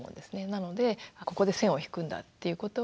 なのでここで線を引くんだっていうことを形で